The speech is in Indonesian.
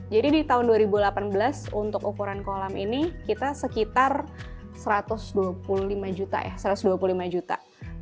jadi di tahun dua ribu delapan belas untuk ukuran kolam ini kita sekitar satu ratus dua puluh lima juta ya